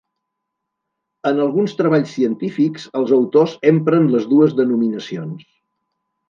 En alguns treballs científics els autors empren les dues denominacions.